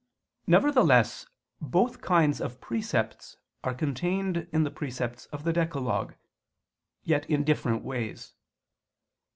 Nevertheless both kinds of precepts are contained in the precepts of the decalogue; yet in different ways.